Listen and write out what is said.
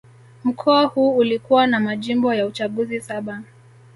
Mkoa huu ulikuwa na majimbo ya uchaguzi saba